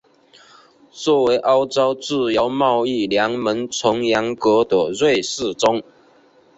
作为欧洲自由贸易联盟成员国的瑞士中。